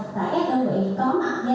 tại các đơn vị có mặt